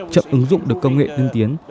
chậm ứng dụng được công nghệ tiên tiến